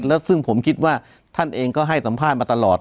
แล้วซึ่งผมคิดว่าท่านเองก็ให้สัมภาษณ์มาตลอด